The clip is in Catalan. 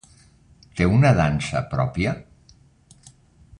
Té una dansa pròpia?